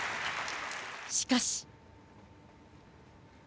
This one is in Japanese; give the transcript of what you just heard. しかし。